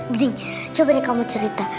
bling coba deh kamu cerita